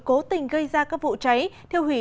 cố tình gây ra các vụ cháy thiêu hủy